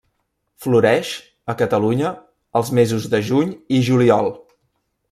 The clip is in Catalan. Floreix, a Catalunya, els mesos de juny i juliol.